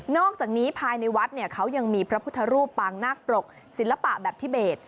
อกจากนี้ภายในวัดเขายังมีพระพุทธรูปปางนาคปรกศิลปะแบบทิเบส